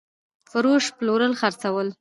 فروش √ پلورل خرڅول